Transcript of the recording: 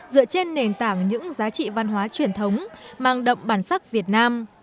dựa trên nền tảng những giá trị văn hóa truyền thống mang đậm bản sắc việt nam